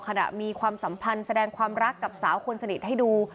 มีความสัมพันธ์แสดงความรักกับสาวคนสนิทให้ดู